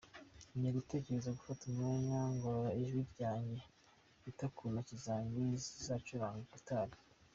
Nkeneye gutekereza, gufata umwanya ngorora ijwi ryanjye, nita ku ntoki zanjye zizacuranga ‘guitar’.